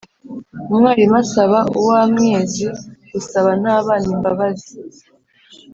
umwarimu asaba uwamwezi gusaba ntabana imbabazi.